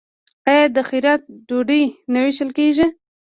آیا د خیرات ډوډۍ نه ویشل کیږي؟